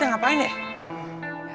suka ngapain ya